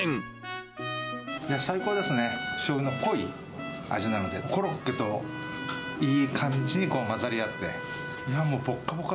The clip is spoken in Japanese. しょうゆの濃い味なので、コロッケといい感じに混ざり合って。